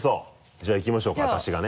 じゃあいきましょうか私がね。